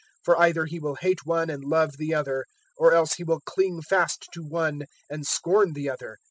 For either he will hate one and love the other, or else he will cling fast to one and scorn the other.